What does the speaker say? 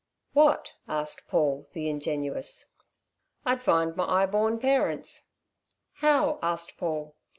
"What?" asked Paul, the ingenuous. "I'd find my 'igh born parents." "How?" asked Paul.